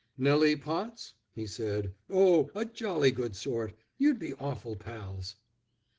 "Nelly Potts?" he said. "Oh, a jolly good sort; you'd be awful pals."